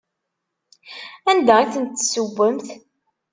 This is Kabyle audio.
Anda i tent-tessewwemt?